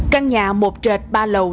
căn nhà một trệt ba lầu